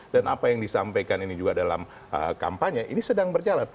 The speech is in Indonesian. dan apa yang disampaikan ini juga dalam kampanye ini sedang berjalan